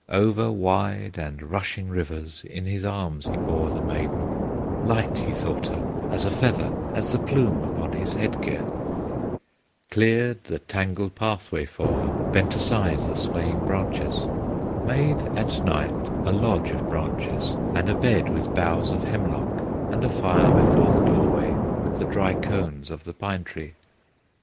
Over wide and rushing rivers In his arms he bore the maiden; Light he thought her as a feather, As the plume upon his head gear; Cleared the tangled pathway for her, Bent aside the swaying branches, Made at night a lodge of branches, And a bed with boughs of hemlock, And a fire before the doorway With the dry cones of the pine tree.